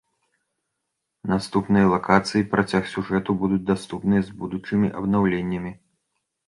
Наступныя лакацыі і працяг сюжэту будуць даступныя з будучымі абнаўленнямі.